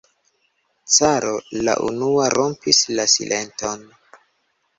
Caro la unua rompis la silenton.